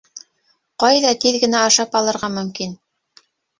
Ҡайҙа тиҙ генә ашап алырға мөмкин?